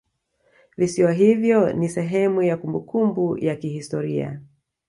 Visiwa hivyo ni sehemu ya kumbukumbu ya kihistoria